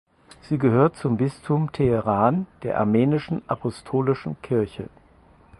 Sie gehört zum Bistum Teheran der Armenischen Apostolischen Kirche.